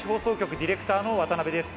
ディレクターの渡部です。